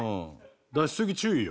出しすぎ注意よ。